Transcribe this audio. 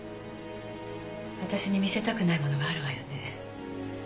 私に見せたくないものがあるわよね？